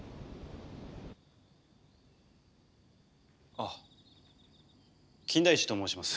あ金田一と申します。